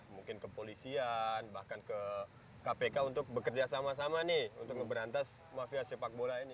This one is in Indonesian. mungkin kepolisian bahkan ke kpk untuk bekerja sama sama nih untuk ngeberantas mafia sepak bola ini